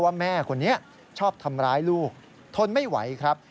แม่คนนี้ชอบทำร้ายลูกทนไม่ไหวครับ